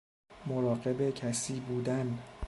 مراقب کسی بودن